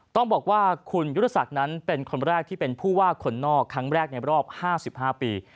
ต้องบอกว่าคุณยุทธศักดิ์นั้นเป็นคนแรกที่เป็นผู้ว่าคนนอกครั้งแรกในรอบ๕๕ปี